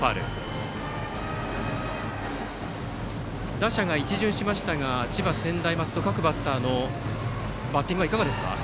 打者が一巡しましたが千葉・専大松戸の各バッターのバッティングはいかがですか。